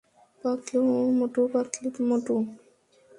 Patlu, Motu, Patlu, Motu.